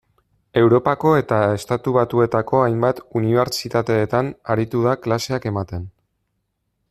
Europako eta Estatu Batuetako hainbat unibertsitatetan aritu da klaseak ematen.